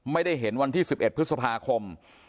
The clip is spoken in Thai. ไม่ได้เห็นวันที่๑๑พฤษภาคม